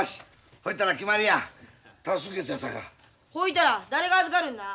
ほいたら誰が預かるんな？